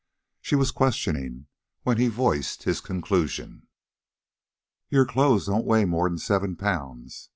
she was questioning, when he voiced his conclusion. "Your clothes don't weigh more'n seven pounds.